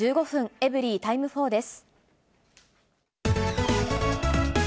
エブリィタイム４です。